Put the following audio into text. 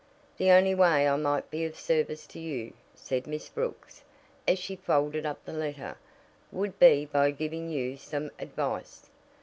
"The only way I might be of service to you," said Miss Brooks, as she folded up the letter, "would be by giving you some advice.